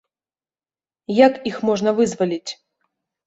Як іх можна вызваліць?